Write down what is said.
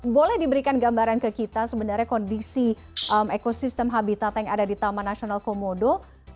boleh diberikan gambaran ke kita sebenarnya kondisi ekosistem habitat yang ada di taman nasional komodo